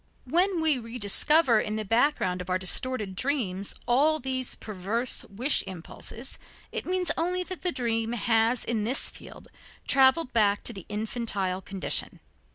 When we rediscover in the background of our distorted dreams all these perverse wish impulses, it means only that the dream has in this field traveled back to the infantile condition.